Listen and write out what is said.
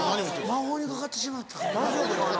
魔法にかかってしまった。